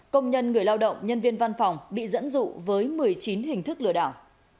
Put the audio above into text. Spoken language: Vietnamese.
công nhân người lao động nhân viên văn phòng bị dẫn dụ với một mươi chín hình thức lừa đảo